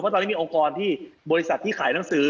ตอนนี้มีองค์กรที่บริษัทที่ขายหนังสือ